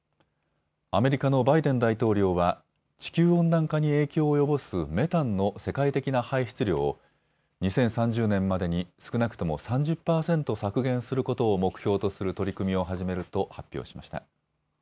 アメリカのバイデン大統領は地球温暖化に影響を及ぼすメタンの世界的な排出量を２０３０年までに少なくとも３０％削減することを目標とする取り組みを始めると発表しました。